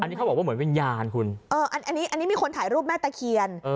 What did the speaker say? อันนี้เขาบอกว่าเหมือนวิญญาณคุณเอออันนี้อันนี้มีคนถ่ายรูปแม่ตะเคียน